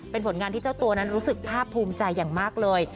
เป็นผลงานที่เจ้าตัวนั้นรู้สึกภาพภูมิใจอย่างมากเลย